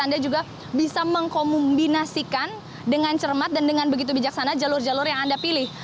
anda juga bisa mengkombinasikan dengan cermat dan dengan begitu bijaksana jalur jalur yang anda pilih